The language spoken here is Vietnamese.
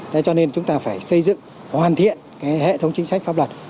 thế cho nên chúng ta phải xây dựng hoàn thiện cái hệ thống chính sách pháp luật